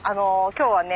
今日はね